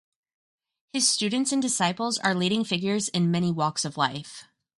His students and disciples are leading figures in many walks of life.